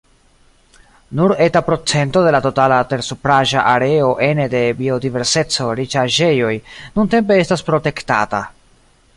Nur eta procento de la totala tersupraĵa areo ene de biodiverseco-riĉaĵejoj nuntempe estas protektata.